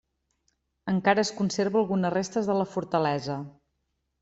Encara es conserva algunes restes de la fortalesa.